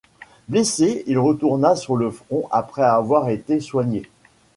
Blessé, il retourna sur le front après avoir été soigné.